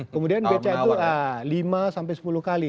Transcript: kemudian beca itu lima sampai sepuluh kali